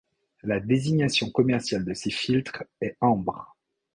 La désignation commerciale de ces filtres est ambre.